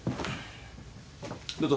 どうぞ。